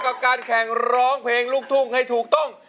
กับการแข่งร้องเพลงลูกทุ่งให้ถูกต้อง